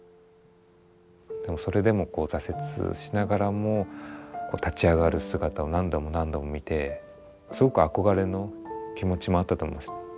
でもそれでもこう挫折しながらも立ち上がる姿を何度も何度も見てすごく憧れの気持ちもあったと思います。